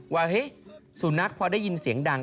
ว่าเฮ้ยสุนัขพอได้ยินเสียงดัง